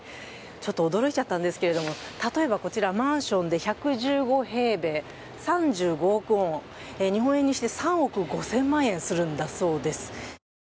ちょっと驚いちゃったんですけれども、例えばこちら、マンションで１１５平米、３５億ウォン、日本円にして３億５０００万円するんだそうです。